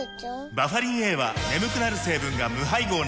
バファリンＡは眠くなる成分が無配合なんです